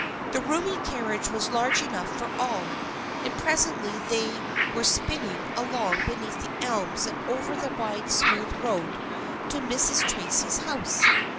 The roomy carriage was large enough for all, and presently they were spinning along beneath the elms and over the wide smooth road to Mrs. Tracy's house.